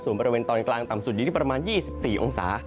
ส่วนบริเวณตอนกลางต่ำสุดอยู่ที่ประมาณ๒๔องศา